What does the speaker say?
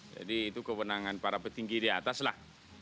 itu kewenangan para petinggi di atas lah